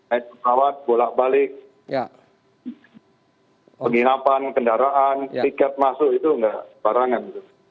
naik pesawat bolak balik penginapan kendaraan tiket masuk itu enggak parah enggak